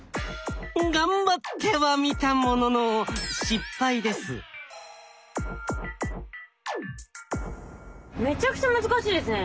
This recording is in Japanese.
頑張ってはみたもののめちゃくちゃ難しいですね。